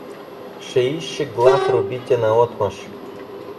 Шеищи глав рубите наотмашь!